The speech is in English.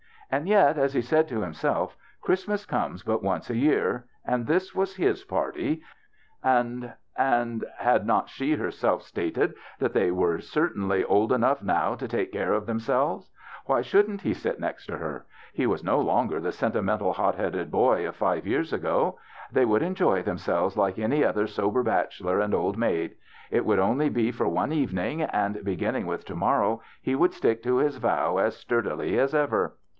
And yet, as he said to himself, Christmas comes but once a year, and this was his party, and — and had not she herself stated that they certainly were old enough now to take care of themselves ? Why shouldn't he sit next to her ? He was no longer the sentimental, hot headed boy of five years ago. They would enjoy themselves like any other sober bachelor and old maid. It would only be for one evening, and begin ning with to morrow he would stick to his vow as sturdily as ever.